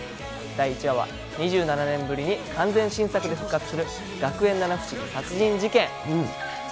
第１話は、２７年ぶりに完全新作で復活する学園七不思議殺人事件。